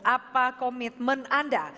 apa komitmen anda